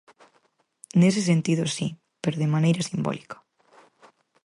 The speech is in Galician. Nese sentido, si, pero de maneira simbólica.